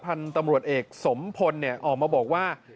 พันธุ์ตำรวจเอกสมพลออกมาบอกว่า